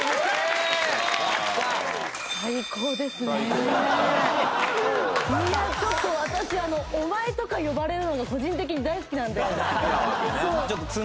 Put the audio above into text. いやちょっと私「お前」とか呼ばれるのが個人的に大好きなんで。